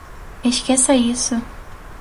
Esqueça isso